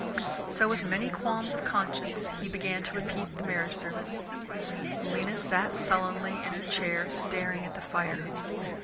So with many qualms of conscience he began to repeat the marriage service. Lena sat sullenly in her chair, staring at the fire.